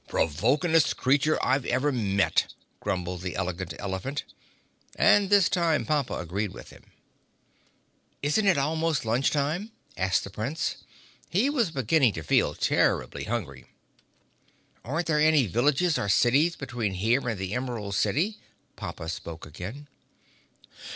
"Provokingest creature I've ever met," grumbled the Elegant Elephant, and this time Pompa agreed with him. "Isn't it almost lunch time?" asked the Prince. He was beginning to feel terribly hungry. "And aren't there any villages or cities between here and the Emerald City?" Pompa spoke again.